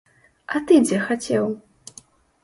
А ты дзе хацеў?